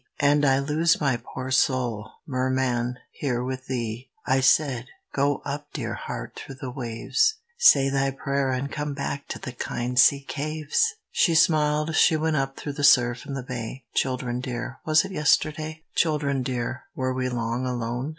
And I lose my poor soul, Merman, here with thee." I said: "Go up, dear heart, through the waves: Say thy prayer, and come back to the kind sea caves!" She smiled, she went up through the surf in the bay. Children dear, was it yesterday? Children dear, were we long alone?